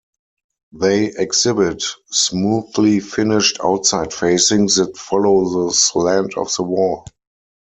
They exhibit smoothly finished outside facings that follow the slant of the wall.